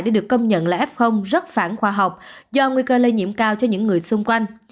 để được công nhận là f rất phản khoa học do nguy cơ lây nhiễm cao cho những người xung quanh